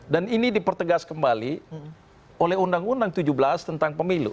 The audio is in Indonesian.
dan ini dipertegas kembali oleh undang undang tujuh belas tentang pemilu